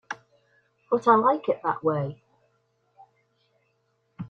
But I like it that way.